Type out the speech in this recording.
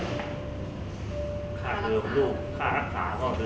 มันประกอบกันแต่ว่าอย่างนี้แห่งที่